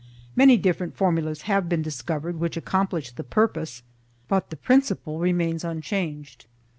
Many different formulas have been discovered which accomplish the purpose, but the principle remains unchanged.